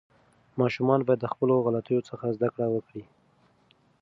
ماشومان باید د خپلو غلطیو څخه زده کړه وکړي.